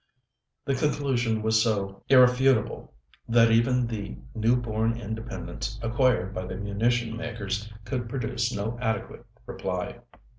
'" The conclusion was so irrefutable, that even the new born independence acquired by the munition makers could produce no adequate reply.